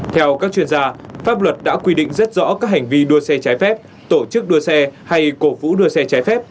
theo các chuyên gia pháp luật đã quy định rất rõ các hành vi đua xe trái phép tổ chức đua xe hay cổ vũ đua xe trái phép